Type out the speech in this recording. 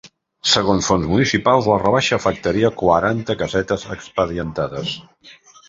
Segons fonts municipals, la rebaixa afectaria quaranta casetes expedientades.